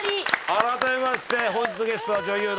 改めまして本日のゲストは女優の生田智子さんです。